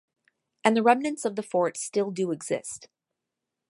And the remnants of the fort still do exist.